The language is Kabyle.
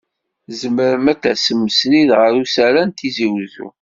Zemren ad d-asen srid ɣer usarra n Tizi Uzzu.